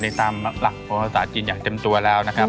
ในสามหลักภาวศาสน์จีนอย่างเต็มตัวแล้วนะครับ